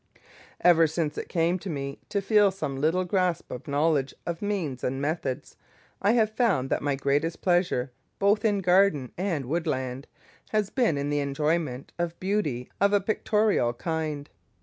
Ever since it came to me to feel some little grasp of knowledge of means and methods, I have found that my greatest pleasure, both in garden and woodland, has been in the enjoyment of beauty of a pictorial kind.